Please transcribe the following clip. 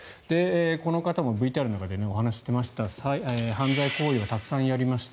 この方もＶＴＲの中でお話していました犯罪行為をたくさんやりました。